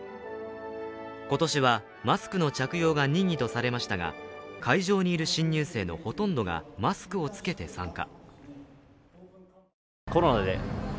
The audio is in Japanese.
今年はマスクの着用が任意とされましたが、会場にいる新入生のほとんどがマスクを着けて参加。